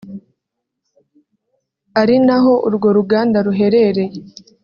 ari naho urwo ruganda ruherereye